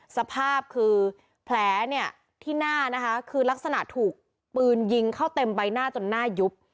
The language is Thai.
สภาพคือแผลเนี่ยที่หน้านะคะคือลักษณะถูกปืนยิงเข้าเต็มใบหน้าจนหน้ายุบ